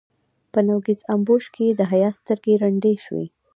په نوږيز امبوش کې يې د حيا سترګې ړندې شوې.